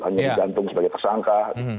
hanya digantung sebagai tersangka